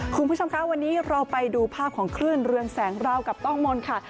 คุณผู้ชมคะวันนี้เราไปดูภาพของคลื่นเรือนแสงราวกับต้องมนต์ค่ะ